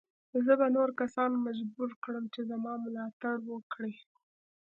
زه به نور کسان مجبور کړم چې زما ملاتړ وکړي.